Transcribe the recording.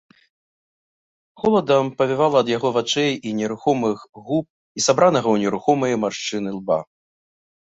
Холадам павявала ад яго вачэй і нерухомых губ і сабранага ў нерухомыя маршчыны лба.